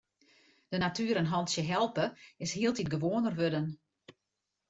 De natuer in hantsje helpe is hieltyd gewoaner wurden.